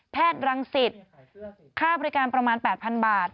รังสิตค่าบริการประมาณ๘๐๐๐บาท